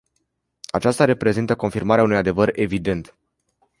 Aceasta reprezintă confirmarea unui adevăr evident.